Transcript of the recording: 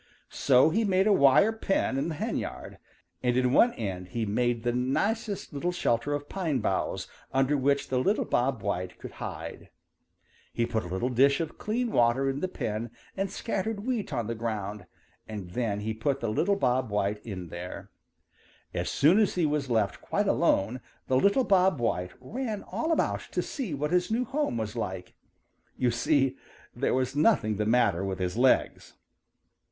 So he made a wire pen in the henyard, and in one end he made the nicest little shelter of pine boughs under which the little Bob White could hide. He put a little dish of clean water in the pen and scattered wheat on the ground, and then he put the little Bob White in there. As soon as he was left quite alone the little Bob White ran all about to see what his new home was like. You see, there was nothing the matter with his legs.